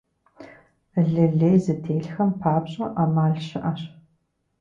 Лы лей зытелъхэм папщӀэ Ӏэмал щыӀэщ.